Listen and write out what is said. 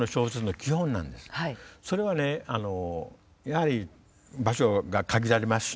それはねやはり場所が限られますしね